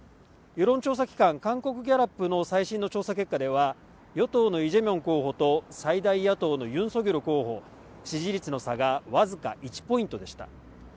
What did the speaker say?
世論調査機関、韓国ギャラップの最新の調査結果では与党のイ・ジェミョン候補と最大野党のユン・ソギョル候補支持率の差が僅か１ポイントでした。